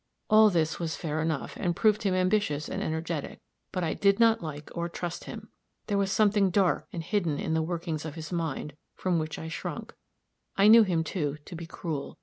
All this was fair enough, and proved him ambitious and energetic; but I did not like or trust him. There was something dark and hidden in the workings of his mind, from which I shrunk. I knew him, too, to be cruel.